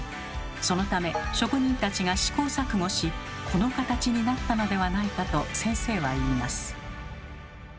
そのため職人たちが試行錯誤しこの形になったのではないかと先生は言います。